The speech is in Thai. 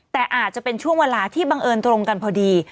แต่อาจจะเป็นช่วงเวลาที่บังเอิญตรงกันพอดี